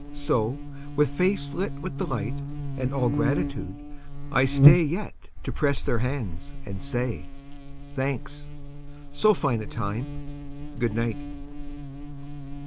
So, with face lit with delight And all gratitude, I stay Yet to press their hands and say, "Thanks. So fine a time ! Good night.